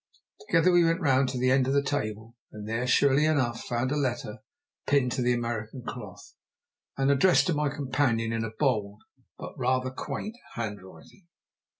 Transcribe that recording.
Together we went round to the end of the table, and there, surely enough, found a letter pinned to the American cloth, and addressed to my companion in a bold but rather quaint handwriting.